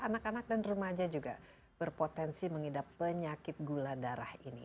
anak anak dan remaja juga berpotensi mengidap penyakit gula darah ini